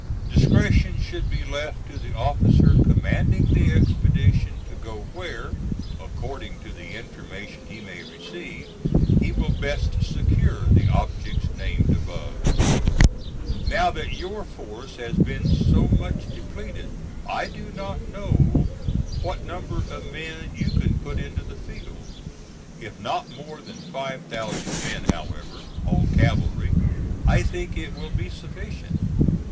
Discretion should be left to the officer commanding the expedition to go where, according to the information he may receive, he will best secure the objects named above. "Now that your force has been so much depleted, I do not know what number of men you can put into the field. If not more than five thousand men, however, all cavalry, I think it will be sufficient.